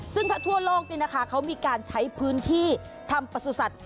ซึ่งถ้าทั่วโลกเขามีการใช้พื้นที่ทำประสุทธิ์